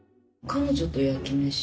彼女の焼き飯？